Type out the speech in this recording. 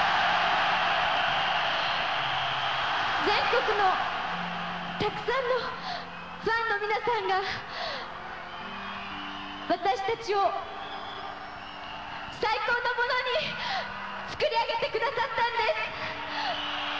全国のたくさんのファンの皆さんが私たちを最高のものに作り上げて下さったんです。